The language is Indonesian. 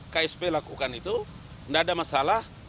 ksp lakukan itu tidak ada masalah